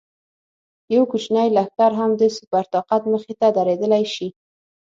یو کوچنی لښکر هم د سوپر طاقت مخې ته درېدلی شي.